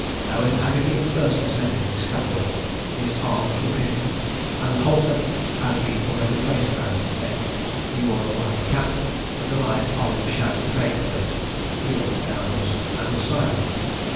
Owen Haggerty first ascended the scaffold. His arms were pinioned, and the halter had been already placed round his neck: he wore a white cap, and a light olive shag great coat: he looked downwards, and was silent.